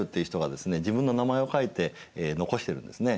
自分の名前を書いて残してるんですね。